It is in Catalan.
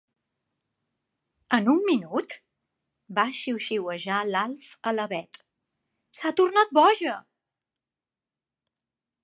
En un minut? —va xiuxiuejar l'Alf a la Bet— S'ha tornat boja!